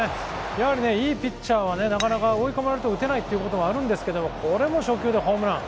やはりいいピッチャーはなかなか追い込まれても打てないということがあるんですけど、これも初球でホームラン。